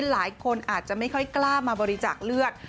หลายคนอาจจะไม่ค่อยกล้ามาบริจาคเลือด